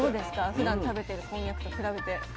ふだん食べてるこんにゃくと比べて。